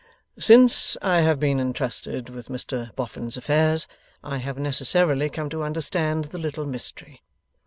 'Since I have been entrusted with Mr Boffin's affairs, I have necessarily come to understand the little mystery.